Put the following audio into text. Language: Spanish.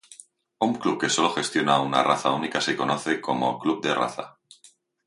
Un club que sólo gestiona una raza única se conoce como "Club de Raza".